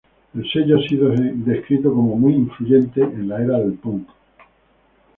El sello ha sido descrito como "muy influyente" en la era del punk.